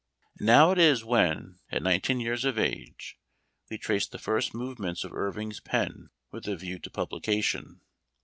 Now it is when, at nineteen years of age, we trace the first movements of Irving's pen with a view to publication.